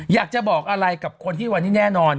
อยากจะบอกอะไรกับคนที่วันนี้แน่นอน